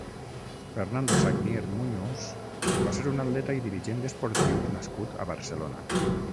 Fernando Sagnier Muñoz va ser un atleta i dirigent esportiu nascut a Barcelona.